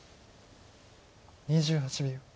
２８秒。